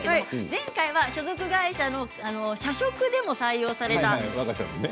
前回は所属会社の社食でも採用された。